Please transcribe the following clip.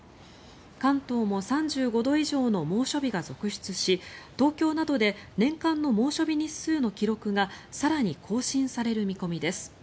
関東も３５度以上の猛暑日が続出し東京などで年間の猛暑日日数の記録が更に更新される見込みです。